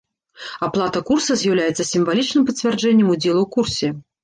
Аплата курса з'яўляецца сімвалічным пацвярджэннем удзелу ў курсе.